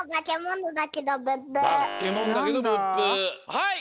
はい！